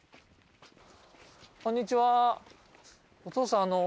お父さん